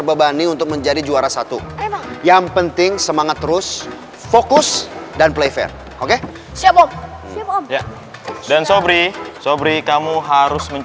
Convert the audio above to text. oike siap om iya siap om dan sobri sobri kamu